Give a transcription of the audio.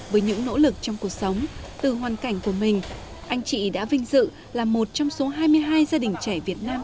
với những nỗ lực trong cuộc sống từ hoàn cảnh của mình anh chị đã vinh dự là một trong số hai mươi hai gia đình trẻ việt nam